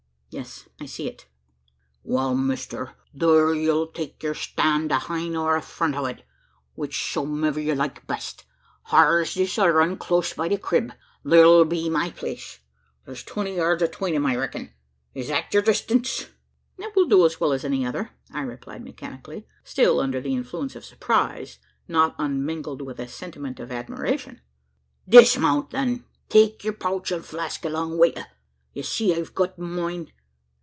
"Yes I see it." "Wal, mister, thur you'll take yur stand ahine or afront o' it, whichsomever ye like best. Hyur's this other un, clost by the crib thur'll be my place. Thur's twenty yurds atween 'em, I reck'n. Is that yur distance?" "It will do as well as any other," I replied mechanically still under the influence of surprise, not unmingled with a sentiment of admiration. "Dismount, then! Take your pouch an' flask along wi' ye ye see I've got myen?